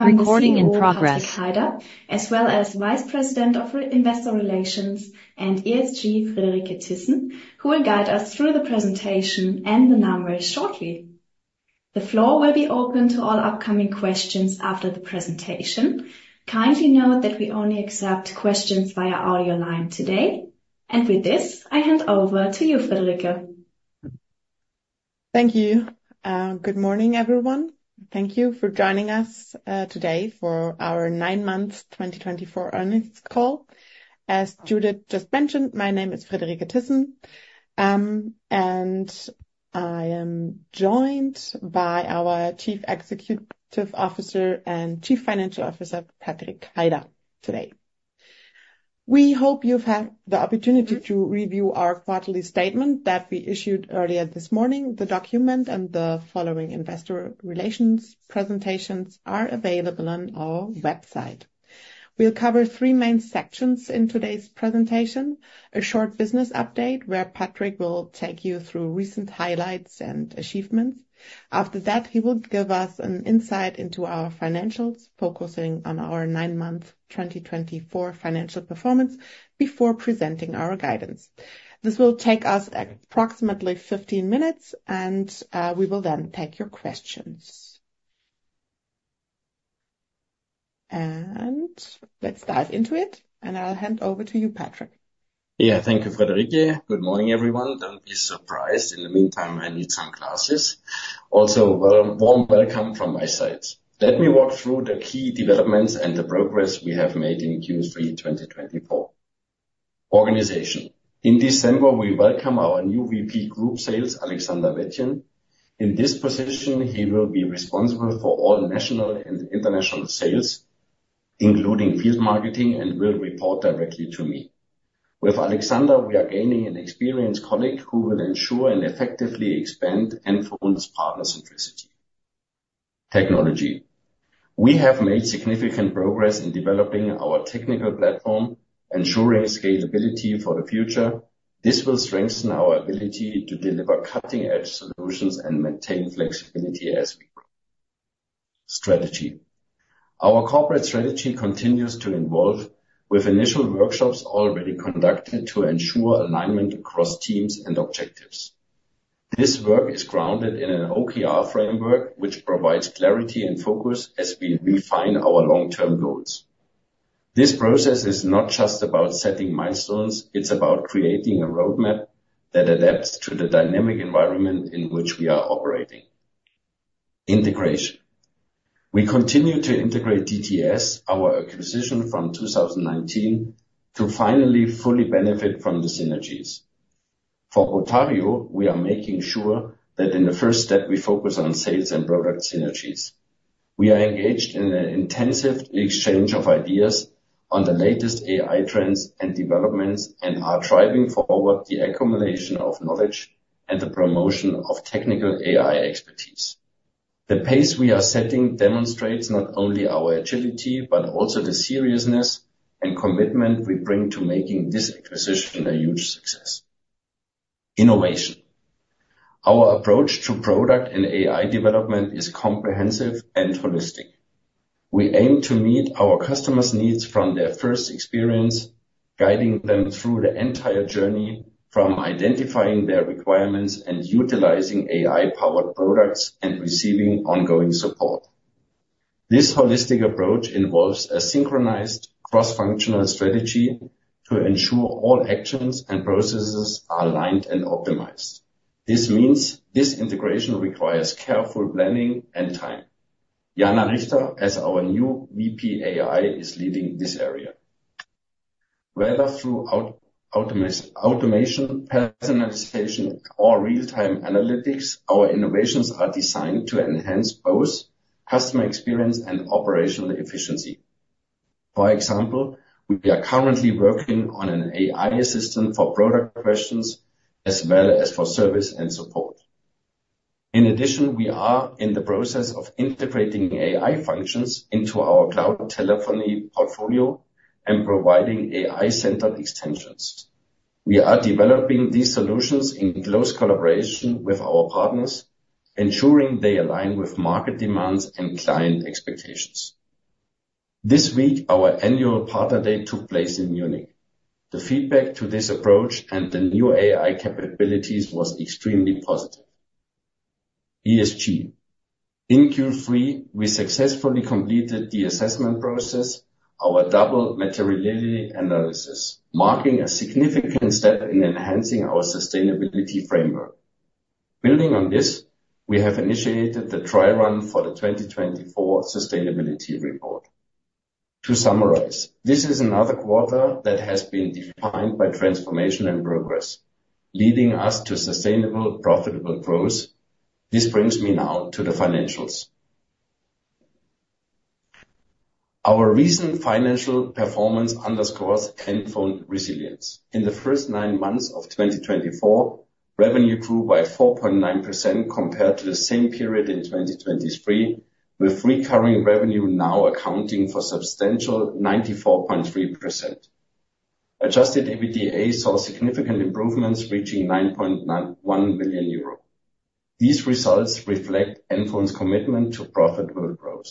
As well as Vice President of Investor Relations and ESG, Friederike Thyssen, who will guide us through the presentation and the numbers shortly. The floor will be open to all upcoming questions after the presentation. Kindly note that we only accept questions via audio line today. And with this, I hand over to you, Friederike. Thank you. Good morning, everyone. Thank you for joining us today for our nine-month 2024 earnings call. As Judith just mentioned, my name is Friederike Thyssen, and I am joined by our Chief Executive Officer and Chief Financial Officer, Patrik Heider, today. We hope you've had the opportunity to review our quarterly statement that we issued earlier this morning. The document and the following investor relations presentations are available on our website. We'll cover three main sections in today's presentation: a short business update where Patrik will take you through recent highlights and achievements. After that, he will give us an insight into our financials, focusing on our nine-month 2024 financial performance before presenting our guidance. This will take us approximately 15 minutes, and we will then take your questions. Let's dive into it, and I'll hand over to you, Patrik. Yeah, thank you, Friederike. Good morning, everyone. Don't be surprised. In the meantime, I need some glasses. Also, a warm welcome from my side. Let me walk through the key developments and the progress we have made in Q3 2024. Organization: In December, we welcome our new VP Group Sales, Alexander Wettjen. In this position, he will be responsible for all national and international sales, including field marketing, and will report directly to me. With Alexander, we are gaining an experienced colleague who will ensure and effectively expand NFON's partner-centricity. Technology: We have made significant progress in developing our technical platform, ensuring scalability for the future. This will strengthen our ability to deliver cutting-edge solutions and maintain flexibility as we grow. Strategy: Our corporate strategy continues to evolve, with initial workshops already conducted to ensure alignment across teams and objectives. This work is grounded in an OKR framework, which provides clarity and focus as we refine our long-term goals. This process is not just about setting milestones. It's about creating a roadmap that adapts to the dynamic environment in which we are operating. Integration: We continue to integrate DTS, our acquisition from 2019, to finally fully benefit from the synergies. For botario, we are making sure that in the first step, we focus on sales and product synergies. We are engaged in an intensive exchange of ideas on the latest AI trends and developments and are driving forward the accumulation of knowledge and the promotion of technical AI expertise. The pace we are setting demonstrates not only our agility, but also the seriousness and commitment we bring to making this acquisition a huge success. Innovation: Our approach to product and AI development is comprehensive and holistic. We aim to meet our customers' needs from their first experience, guiding them through the entire journey from identifying their requirements and utilizing AI-powered products and receiving ongoing support. This holistic approach involves a synchronized, cross-functional strategy to ensure all actions and processes are aligned and optimized. This means this integration requires careful planning and time. Jana Richter, as our new VP AI, is leading this area. Whether through automation, personalization, or real-time analytics, our innovations are designed to enhance both customer experience and operational efficiency. For example, we are currently working on an AI assistant for product questions as well as for service and support. In addition, we are in the process of integrating AI functions into our cloud telephony portfolio and providing AI-centered extensions. We are developing these solutions in close collaboration with our partners, ensuring they align with market demands and client expectations. This week, our annual partner day took place in Munich. The feedback to this approach and the new AI capabilities was extremely positive. ESG: In Q3, we successfully completed the assessment process, our double materiality analysis, marking a significant step in enhancing our sustainability framework. Building on this, we have initiated the trial run for the 2024 sustainability report. To summarize, this is another quarter that has been defined by transformation and progress, leading us to sustainable, profitable growth. This brings me now to the financials. Our recent financial performance underscores NFON resilience. In the first nine months of 2024, revenue grew by 4.9% compared to the same period in 2023, with recurring revenue now accounting for a substantial 94.3%. Adjusted EBITDA saw significant improvements, reaching 9.1 million euro. These results reflect NFON's commitment to profitable growth.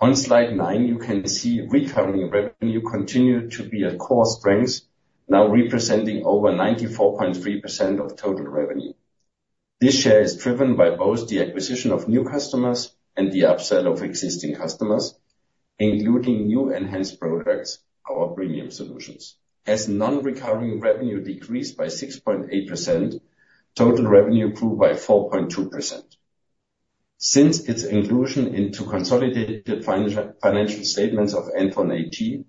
On slide nine, you can see recurring revenue continued to be a core strength, now representing over 94.3% of total revenue. This share is driven by both the acquisition of new customers and the upsell of existing customers, including new enhanced products, our premium solutions. As non-recurring revenue decreased by 6.8%, total revenue grew by 4.2%. Since its inclusion into consolidated financial statements of NFON AG,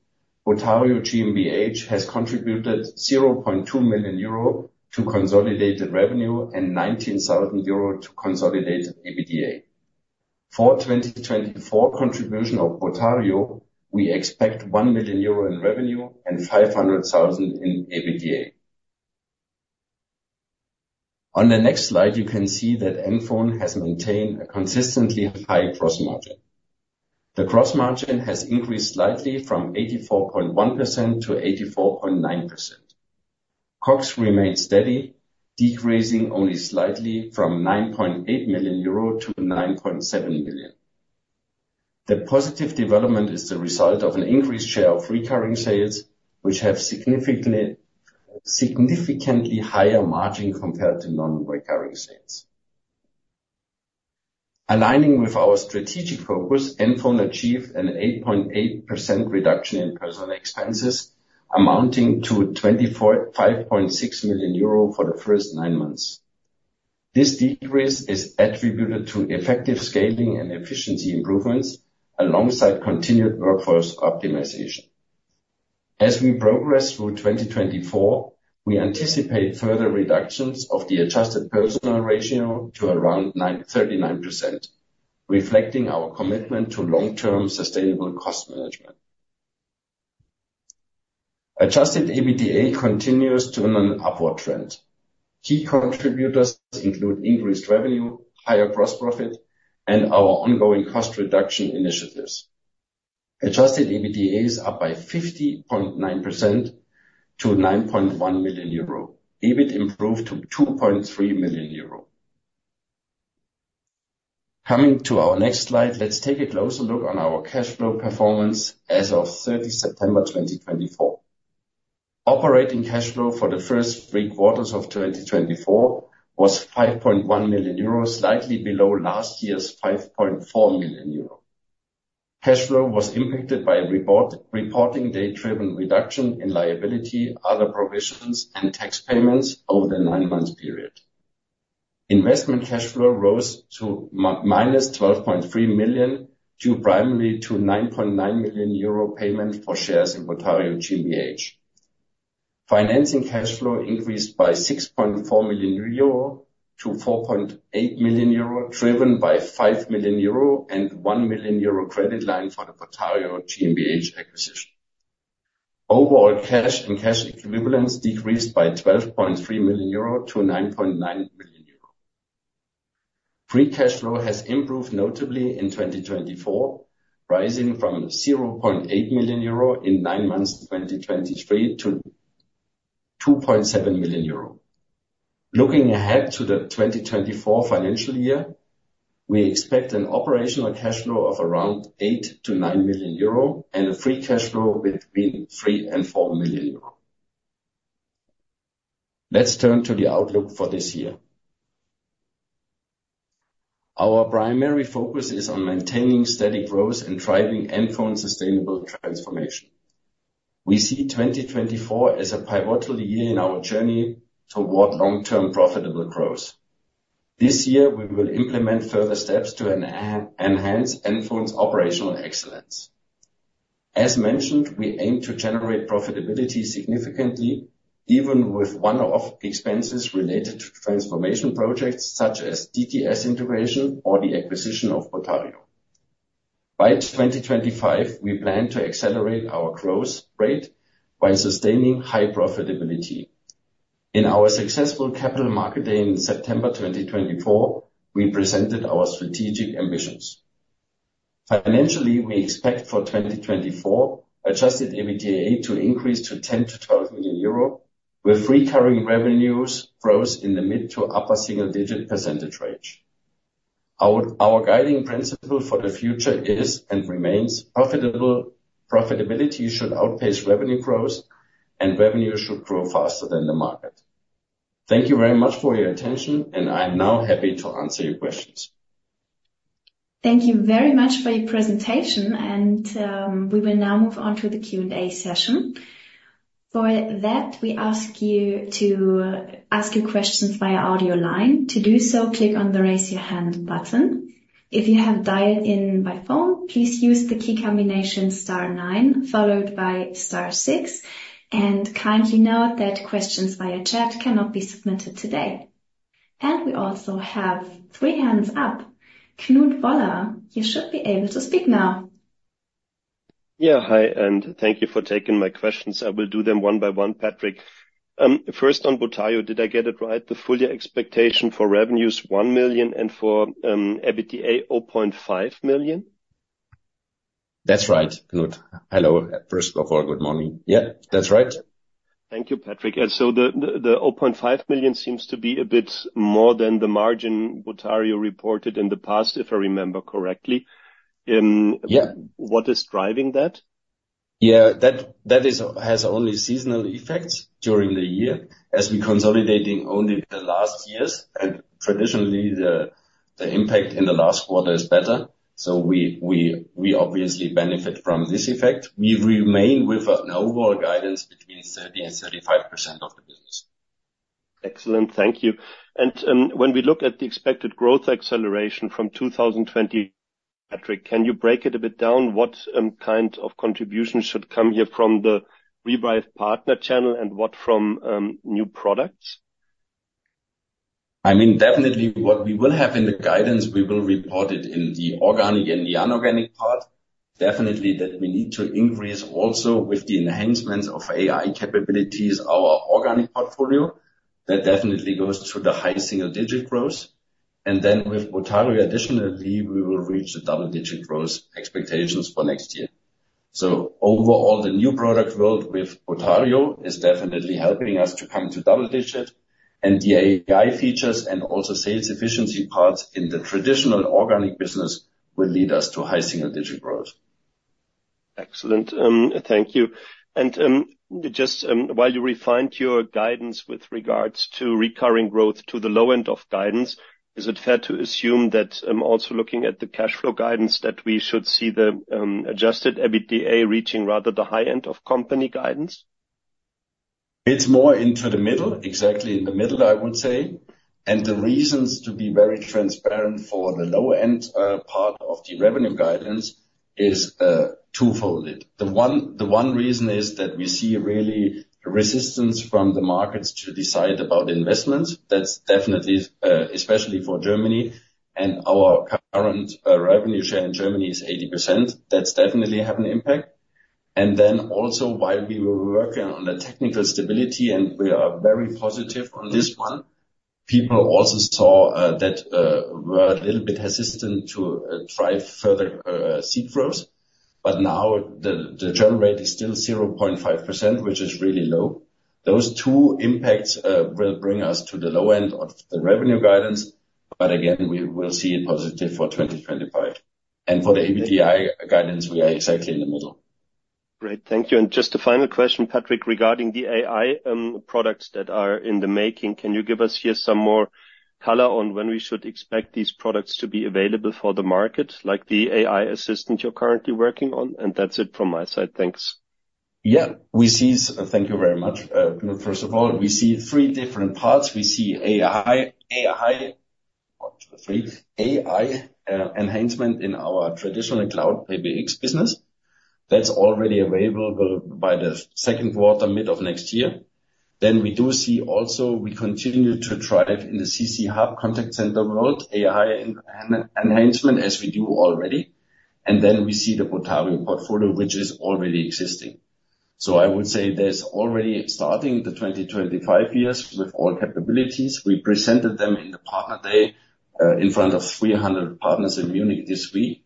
botario GmbH has contributed 0.2 million euro to consolidated revenue and 19,000 euro to consolidated EBITDA. For 2024 contribution of botario, we expect 1 million euro in revenue and 500,000 in EBITDA. On the next slide, you can see that NFON has maintained a consistently high gross margin. The gross margin has increased slightly from 84.1%-84.9%. COGS remains steady, decreasing only slightly from 9.8 million-9.7 million euro. The positive development is the result of an increased share of recurring sales, which have significantly higher margin compared to non-recurring sales. Aligning with our strategic focus, NFON achieved an 8.8% reduction in personnel expenses, amounting to 25.6 million euro for the first nine months. This decrease is attributed to effective scaling and efficiency improvements alongside continued workforce optimization. As we progress through 2024, we anticipate further reductions of the adjusted personnel ratio to around 39%, reflecting our commitment to long-term sustainable cost management. Adjusted EBITDA continues on an upward trend. Key contributors include increased revenue, higher gross profit, and our ongoing cost reduction initiatives. Adjusted EBITDA is up by 50.9% to 9.1 million euro. EBIT improved to 2.3 million euro. Coming to our next slide, let's take a closer look on our cash flow performance as of 30 September 2024. Operating cash flow for the first three quarters of 2024 was 5.1 million euro, slightly below last year's 5.4 million euro. Cash flow was impacted by reporting day-driven reduction in liability, other provisions, and tax payments over the nine-month period. Investment cash flow rose to minus 12.3 million due primarily to 9.9 million euro payment for shares in botario GmbH. Financing cash flow increased by 6.4 million-4.8 million euro, driven by 5 million euro and 1 million euro credit line for the botario GmbH acquisition. Overall cash and cash equivalents decreased by 12.3 million-9.9 million euro. Free cash flow has improved notably in 2024, rising from 0.8 million euro in nine months 2023 to 2.7 million euro. Looking ahead to the 2024 financial year, we expect an operational cash flow of around 8 million-9 million euro and a free cash flow between 3 million and 4 million euro. Let's turn to the outlook for this year. Our primary focus is on maintaining steady growth and driving NFON sustainable transformation. We see 2024 as a pivotal year in our journey toward long-term profitable growth. This year, we will implement further steps to enhance NFON's operational excellence. As mentioned, we aim to generate profitability significantly, even with one-off expenses related to transformation projects such as DTS integration or the acquisition of botario. By 2025, we plan to accelerate our growth rate by sustaining high profitability. In our successful Capital Markets Day in September 2024, we presented our strategic ambitions. Financially, we expect for 2024, Adjusted EBITDA to increase to 10 million-12 million euro, with recurring revenues growth in the mid to upper single-digit percentage range. Our guiding principle for the future is and remains profitability should outpace revenue growth, and revenue should grow faster than the market. Thank you very much for your attention, and I'm now happy to answer your questions. Thank you very much for your presentation, and we will now move on to the Q&A session. For that, we ask you to ask your questions via audio line. To do so, click on the "Raise Your Hand" button. If you have dialed in by phone, please use the key combination star nine followed by star six, and kindly note that questions via chat cannot be submitted today, and we also have three hands up. Knut Woller, you should be able to speak now. Yeah, hi, and thank you for taking my questions. I will do them one by one, Patrik. First, on botario, did I get it right? The full year expectation for revenue is 1 million and for EBITDA, 0.5 million? That's right, Knut. Hello, first of all, good morning. Yeah, that's right. Thank you, Patrik. And so the 0.5 million seems to be a bit more than the margin botario reported in the past, if I remember correctly. What is driving that? Yeah, that has only seasonal effects during the year, as we are consolidating only the last years, and traditionally, the impact in the last quarter is better. So we obviously benefit from this effect. We remain with an overall guidance between 30% and 35% of the business. Excellent, thank you. When we look at the expected growth acceleration from 2020, Patrik, can you break it a bit down? What kind of contribution should come here from the revived partner channel and what from new products? I mean, definitely what we will have in the guidance, we will report it in the organic and the inorganic part. Definitely that we need to increase also with the enhancements of AI capabilities, our organic portfolio. That definitely goes to the high single-digit growth, and then with botario, additionally, we will reach the double-digit growth expectations for next year, so overall, the new product world with botario is definitely helping us to come to double-digit, and the AI features and also sales efficiency parts in the traditional organic business will lead us to high single-digit growth. Excellent, thank you. And just while you refined your guidance with regards to recurring growth to the low end of guidance, is it fair to assume that also looking at the cash flow guidance that we should see the Adjusted EBITDA reaching rather the high end of company guidance? It's more into the middle, exactly in the middle, I would say, and the reasons to be very transparent for the low end part of the revenue guidance is twofold. The one reason is that we see really resistance from the markets to decide about investments. That's definitely, especially for Germany, and our current revenue share in Germany is 80%. That's definitely had an impact. And then also while we were working on the technical stability and we are very positive on this one, people also saw that we were a little bit hesitant to drive further seat growth. But now the churn rate is still 0.5%, which is really low. Those two impacts will bring us to the low end of the revenue guidance, but again, we will see it positive for 2025. And for the EBITDA guidance, we are exactly in the middle. Great, thank you. And just a final question, Patrik, regarding the AI products that are in the making, can you give us here some more color on when we should expect these products to be available for the market, like the AI assistant you're currently working on? And that's it from my side, thanks. Yeah, we see, thank you very much. First of all, we see three different parts. We see AI, AI, or two, three, AI enhancement in our traditional Cloud PBX business. That's already available by the second quarter, mid of next year. Then we do see also, we continue to drive in the CC Hub contact center world, AI enhancement as we do already. And then we see the botario portfolio, which is already existing. So I would say there's already starting the 2025 years with all capabilities. We presented them in the partner day in front of 300 partners in Munich this week.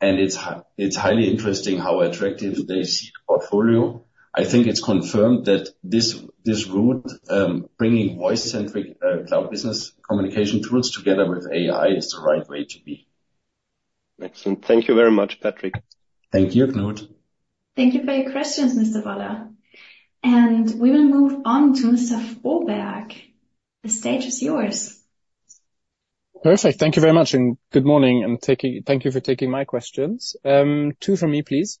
And it's highly interesting how attractive they see the portfolio. I think it's confirmed that this route, bringing voice-centric cloud business communication tools together with AI, is the right way to be. Excellent, thank you very much, Patrik. Thank you, Knut. Thank you for your questions, Mr. Woller. We will move on to Mr. Froberg. The stage is yours. Perfect, thank you very much, and good morning, and thank you for taking my questions. Two from me, please.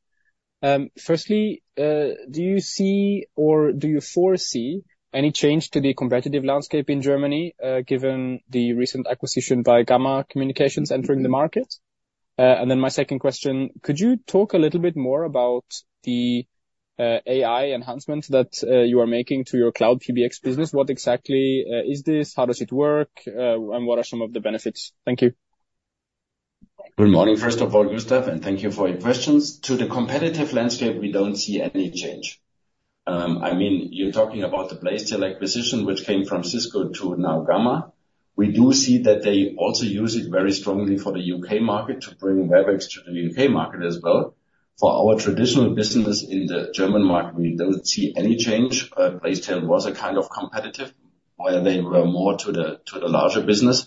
Firstly, do you see or do you foresee any change to the competitive landscape in Germany given the recent acquisition by Gamma Communications entering the market? And then my second question, could you talk a little bit more about the AI enhancements that you are making to your Cloud PBX business? What exactly is this? How does it work? And what are some of the benefits? Thank you. Good morning, first of all, Gustav, and thank you for your questions. To the competitive landscape, we don't see any change. I mean, you're talking about the Placetel acquisition, which came from Cisco to now Gamma. We do see that they also use it very strongly for the U.K. market to bring Webex to the U.K. market as well. For our traditional business in the German market, we don't see any change. Placetel was a kind of competitor where they were more to the larger business,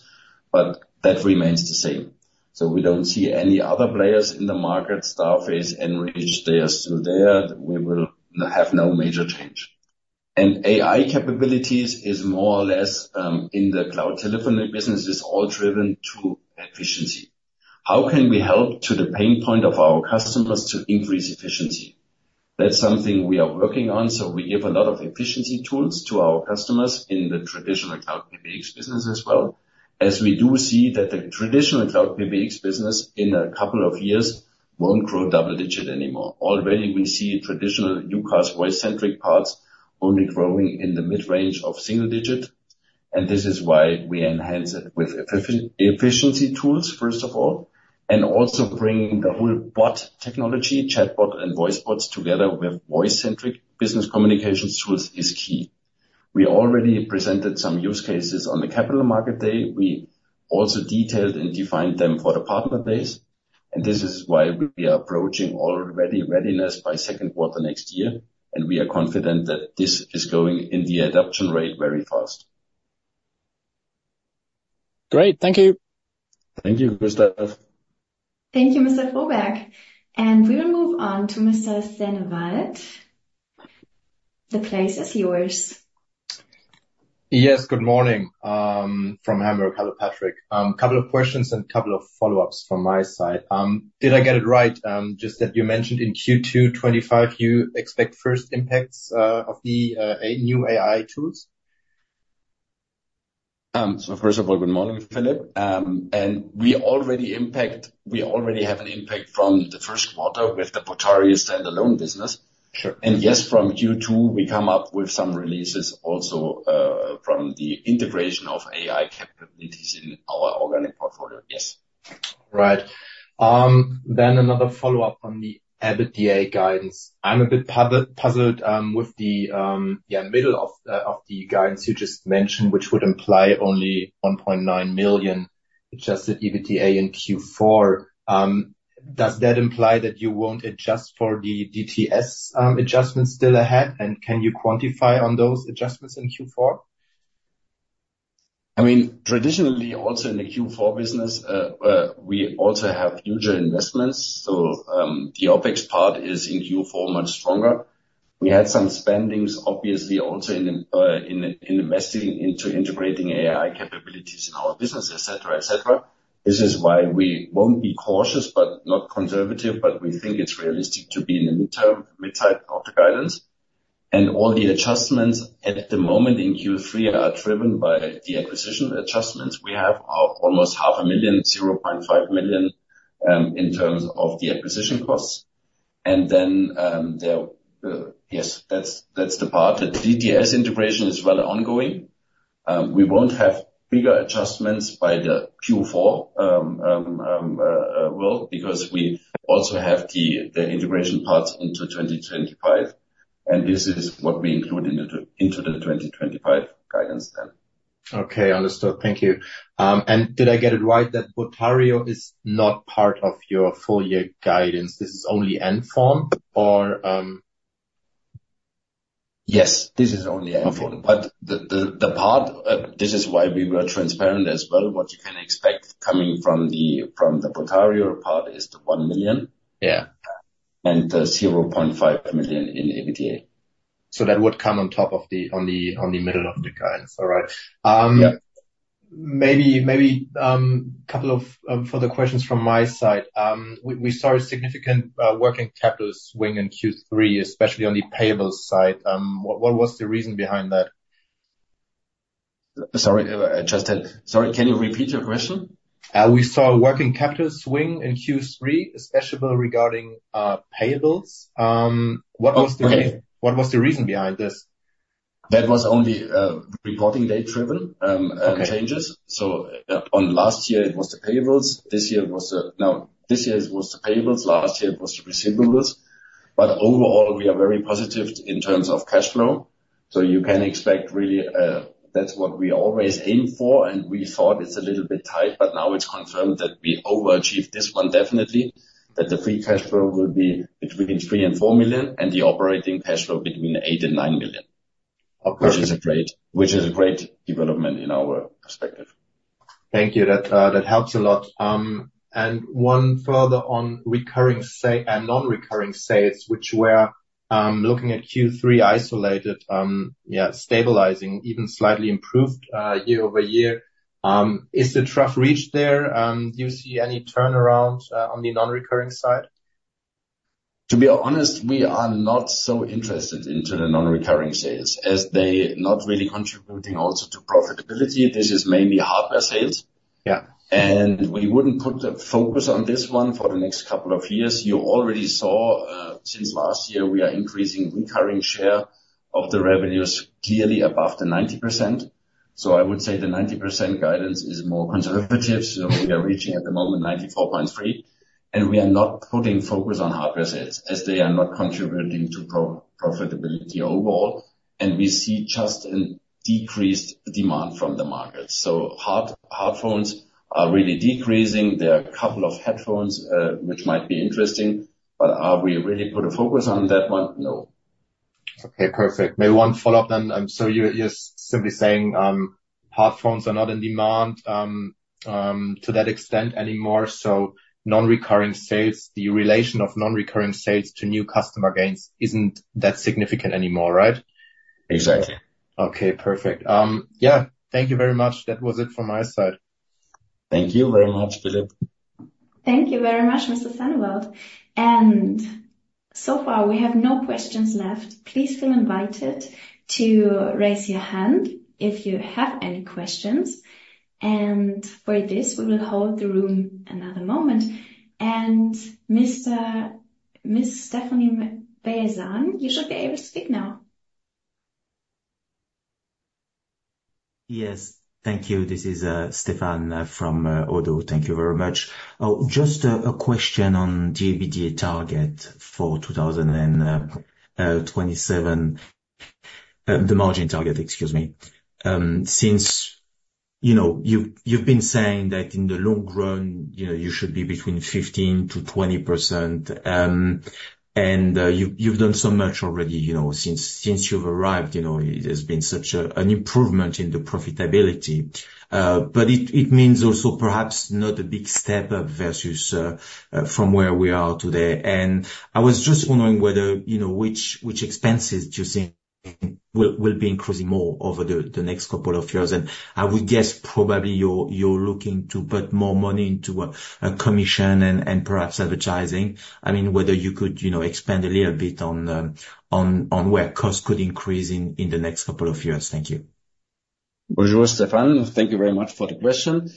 but that remains the same. So we don't see any other players in the market, STARFACE, Enreach, they are still there. We will have no major change. And AI capabilities is more or less in the cloud telephony business is all driven to efficiency. How can we help to the pain point of our customers to increase efficiency? That's something we are working on. We give a lot of efficiency tools to our customers in the traditional Cloud PBX business as well, as we do see that the traditional Cloud PBX business in a couple of years won't grow double-digit anymore. Already we see traditional UCaaS voice-centric parts only growing in the mid-range of single digit. And this is why we enhance it with efficiency tools, first of all, and also bringing the whole bot technology, chatbot and voice bots together with voice-centric business communications tools is key. We already presented some use cases on the Capital Markets Day. We also detailed and defined them for the partner days. And this is why we are approaching already readiness by second quarter next year. And we are confident that this is going in the adoption rate very fast. Great, thank you. Thank you, Gustav. Thank you, Mr. Froberg. We will move on to Mr. Sennewald. The place is yours. Yes, good morning from Hamburg. Hello, Patrik. A couple of questions and a couple of follow-ups from my side. Did I get it right? Just that you mentioned in Q2 2025, you expect first impacts of the new AI tools? So first of all, good morning, Philipp. And we already have an impact from the first quarter with the botario standalone business. And yes, from Q2, we come up with some releases also from the integration of AI capabilities in our organic portfolio. Yes. All right. Then another follow-up on the EBITDA guidance. I'm a bit puzzled with the middle of the guidance you just mentioned, which would imply only 1.9 million adjusted EBITDA in Q4. Does that imply that you won't adjust for the DTS adjustments still ahead? And can you quantify on those adjustments in Q4? I mean, traditionally, also in the Q4 business, we also have huge investments. So the OpEx part is in Q4 much stronger. We had some spending, obviously, also in investing into integrating AI capabilities in our business, etc., etc. This is why we won't be cautious, but not conservative, but we think it's realistic to be in the mid-term, mid-type of the guidance. All the adjustments at the moment in Q3 are driven by the acquisition adjustments we have, almost 500,000, 0.5 million in terms of the acquisition costs. Then, yes, that's the part that DTS integration is well ongoing. We won't have bigger adjustments by the Q4 world because we also have the integration parts into 2025. This is what we include into the 2025 guidance then. Okay, understood. Thank you. And did I get it right that botario is not part of your full year guidance? This is only NFON or? Yes, this is only NFON. But the part, this is why we were transparent as well, what you can expect coming from the botario part is the 1 million and the 0.5 million in EBITDA. So that would come on top of the middle of the guidance. All right. Maybe a couple of further questions from my side. We saw a significant working capital swing in Q3, especially on the payables side. What was the reason behind that? Sorry, can you repeat your question? We saw a working capital swing in Q3, especially regarding payables. What was the reason behind this? That was only reporting date-driven changes, so last year, it was the payables. This year was the payables. Last year, it was the receivables, but overall, we are very positive in terms of cash flow, so you can expect really, that's what we always aim for, and we thought it's a little bit tight, but now it's confirmed that we overachieved this one definitely, that the free cash flow will be between 3 million and 4 million and the operating cash flow between 8 million and 9 million, which is a great development in our perspective. Thank you. That helps a lot. And one further on recurring and non-recurring sales, which we're looking at Q3 isolated, yeah, stabilizing, even slightly improved year-over-year. Is the trough reached there? Do you see any turnaround on the non-recurring side? To be honest, we are not so interested in the non-recurring sales as they are not really contributing also to profitability. This is mainly hardware sales. And we wouldn't put the focus on this one for the next couple of years. You already saw since last year, we are increasing recurring share of the revenues clearly above the 90%. So I would say the 90% guidance is more conservative. So we are reaching at the moment 94.3%. And we are not putting focus on hardware sales as they are not contributing to profitability overall. And we see just a decreased demand from the market. So hard phones are really decreasing. There are a couple of headphones, which might be interesting. But are we really putting focus on that one? No. Okay, perfect. Maybe one follow-up then. So you're simply saying hard phones are not in demand to that extent anymore. So non-recurring sales, the relation of non-recurring sales to new customer gains isn't that significant anymore, right? Exactly. Okay, perfect. Yeah, thank you very much. That was it from my side. Thank you very much, Philipp. Thank you very much, Mr. Sennewald. So far, we have no questions left. Please feel invited to raise your hand if you have any questions. For this, we will hold the room another moment. Mr. Stéphane Beyazian, you should be able to speak now. Yes, thank you. This is Stéphane Beyazian from ODDO BHF. Thank you very much. Just a question on the EBITDA target for 2027, the margin target, excuse me. Since you've been saying that in the long run, you should be between 15%-20%. And you've done so much already since you've arrived. There's been such an improvement in the profitability. But it means also perhaps not a big step versus from where we are today. And I was just wondering whether which expenses do you think will be increasing more over the next couple of years? And I would guess probably you're looking to put more money into a commission and perhaps advertising. I mean, whether you could expand a little bit on where costs could increase in the next couple of years. Thank you. Bonjour, Stéphane. Thank you very much for the question.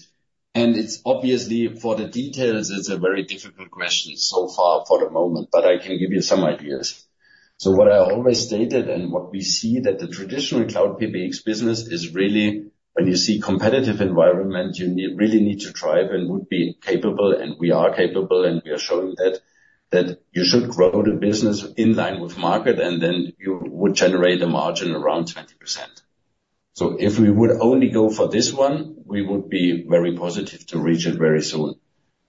And it's obviously for the details, it's a very difficult question so far for the moment, but I can give you some ideas. So what I always stated and what we see that the traditional Cloud PBX business is really when you see competitive environment, you really need to try and would be capable, and we are capable, and we are showing that you should grow the business in line with market, and then you would generate a margin around 20%. So if we would only go for this one, we would be very positive to reach it very soon.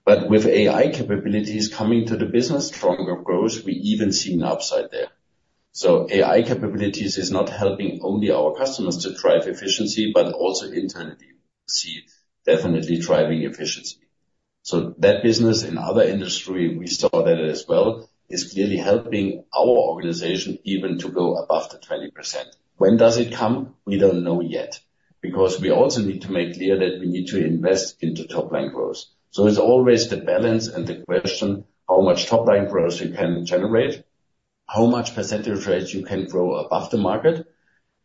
But with AI capabilities coming to the business, stronger growth, we even see an upside there. So AI capabilities is not helping only our customers to drive efficiency, but also internally see definitely driving efficiency. So that business in other industry we started as well is clearly helping our organization even to go above the 20%. When does it come? We don't know yet because we also need to make clear that we need to invest into top-line growth. So it's always the balance and the question how much top-line growth you can generate, how much percentage rate you can grow above the market,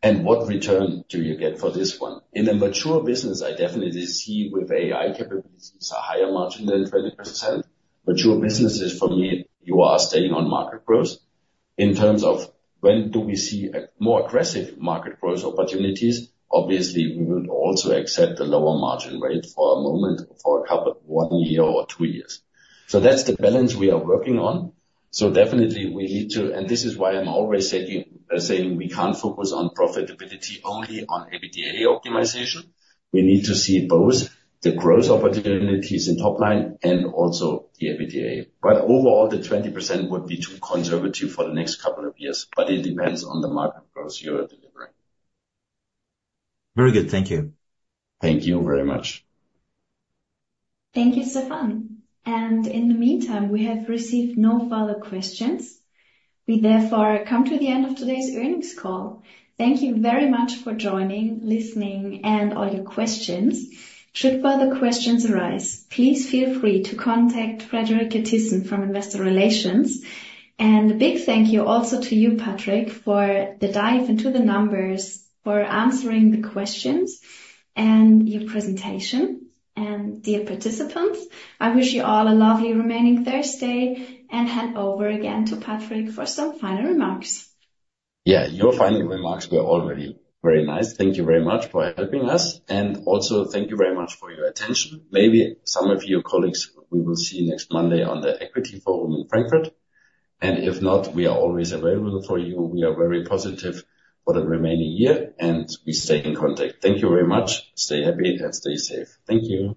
and what return do you get for this one. In a mature business, I definitely see with AI capabilities a higher margin than 20%. Mature businesses for me, you are staying on market growth. In terms of when do we see more aggressive market growth opportunities, obviously, we would also accept a lower margin rate for a moment for a couple of one year or two years. So that's the balance we are working on. So, definitely we need to, and this is why I'm always saying we can't focus on profitability only on EBITDA optimization. We need to see both the growth opportunities in top-line and also the EBITDA. But overall, the 20% would be too conservative for the next couple of years, but it depends on the market growth you are delivering. Very good. Thank you. Thank you very much. Thank you, Stéphane. And in the meantime, we have received no further questions. We therefore come to the end of today's earnings call. Thank you very much for joining, listening, and all your questions. Should further questions arise, please feel free to contact Friederike Thyssen from Investor Relations. And a big thank you also to you, Patrik, for the dive into the numbers, for answering the questions, and your presentation. And dear participants, I wish you all a lovely remaining Thursday and hand over again to Patrik for some final remarks. Yeah, your final remarks were already very nice. Thank you very much for helping us. And also thank you very much for your attention. Maybe some of your colleagues we will see next Monday on the Equity Forum in Frankfurt. And if not, we are always available for you. We are very positive for the remaining year, and we stay in contact. Thank you very much. Stay happy and stay safe. Thank you.